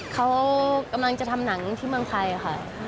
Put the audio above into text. เขากำลังจะทำหนังที่เมืองไทยค่ะ